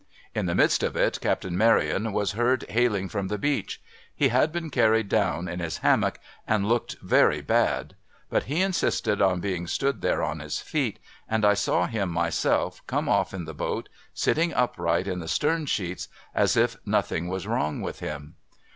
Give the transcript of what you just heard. In the midst of it. Captain Maryon was heard hailing from the beach. He had been carried down in his hammock, and looked very bad ; but he insisted on being stood there on his feet ; and I saw him, myself, come off in the boat, sitting upright in the stern sheets, as if nothing was wrong with him.